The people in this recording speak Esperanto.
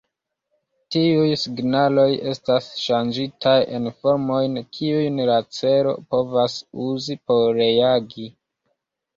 Tiuj signaloj estas ŝanĝitaj en formojn, kiujn la ĉelo povas uzi por reagi.